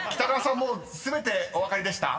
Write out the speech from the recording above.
もう全てお分かりでした？］